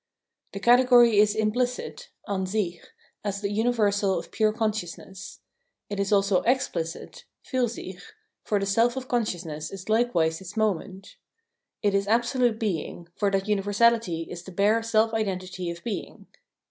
The category is implicit {an sicli) as the universal of pure consciousness ; it is also explicit {fiir sich), for the self of consciousness is likewise its moment. It is absolute being, for that universality is the bare self identity of being.